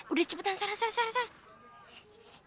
udah cepetan saran saran saran